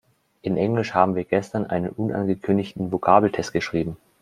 In Englisch haben wir gestern einen unangekündigten Vokabeltest geschrieben.